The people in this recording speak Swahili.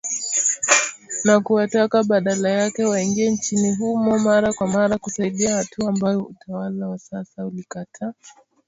Na kuwataka badala yake waingie nchini humo mara kwa mara kusaidia hatua ambayo utawala wa sasa ulikataa na kusema kwamba ni mbaya.